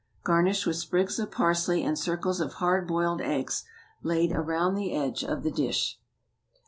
Garnish with sprigs of parsley and circles of hard boiled eggs, laid around the edge of the dish.